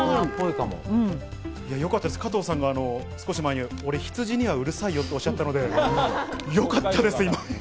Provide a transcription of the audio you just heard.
加藤さんが少し前に俺、羊にはうるさいよとおっしゃったのでよかったです。